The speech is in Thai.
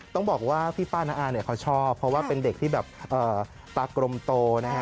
ต้องบอกว่าพี่ป้าน้าอาเนี่ยเขาชอบเพราะว่าเป็นเด็กที่แบบตากลมโตนะฮะ